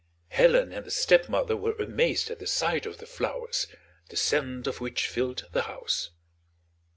Helen and the stepmother were amazed at the sight of the flowers, the scent of which filled the house.